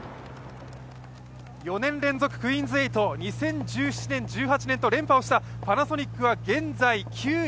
４年連続クイーンズ８、２０１７年、１８年と連覇をしたパナソニックが現在９位。